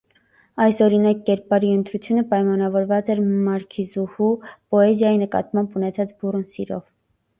Այսօրինակ կերպարի ընտրությունը պայմանավորված էր մարքիզուհու՝ պոեզիայի նկատմամբ ունեցած բուռն սիրով։